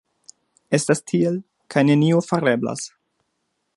Estas tiel, kaj nenio fareblas.